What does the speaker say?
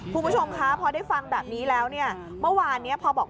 คุณผู้ชมคะพอได้ฟังแบบนี้แล้วเนี่ยเมื่อวานนี้พอบอก